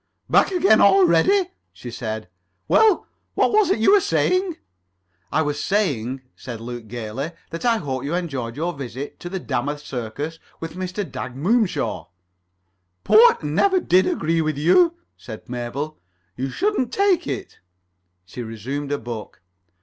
"Back again already?" she said. "Well, what was it you were saying?" "I was saying," said Luke gaily, "that I hoped you enjoyed your visit to the Dammoth Circus with Mr. Dag Moomshaw." "Port never did agree with you," said Mabel. "You shouldn't take it." She resumed her book.